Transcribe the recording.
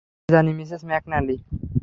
আমি জানি Mrs McNally.